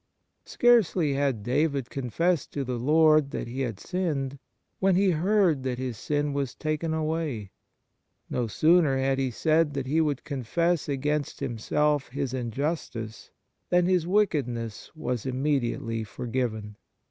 Scarcely had David con fessed to the Lord that he had sinned, when he heard that his sin was taken away ; no sooner had he said that he would confess against himself his injustice, than his wickedness was immediately forgiven.